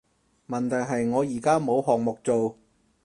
問題係我而家冇項目做